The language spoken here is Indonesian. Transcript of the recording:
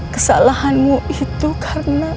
kesalahanmu itu karena